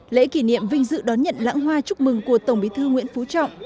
lễ kỷ niệm vinh dự đón nhận lãng hoa chúc mừng của tổng bí thư nguyễn phú trọng